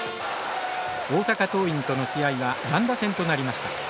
大阪桐蔭との試合は乱打戦となりました。